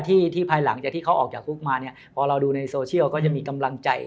ที่ที่ภายหลังจากที่เขาออกจากคุกมาเนี่ยพอเราดูในโซเชียลก็จะมีกำลังใจ